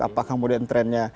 apakah kemudian trendnya